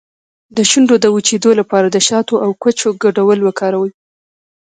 د شونډو د وچیدو لپاره د شاتو او کوچو ګډول وکاروئ